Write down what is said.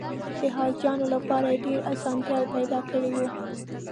د حاجیانو لپاره یې ډېره اسانتیا پیدا کړې وه.